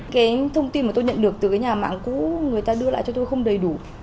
cái thông tin mà tôi nhận được từ cái nhà mạng cũ người ta đưa lại cho tôi không đầy đủ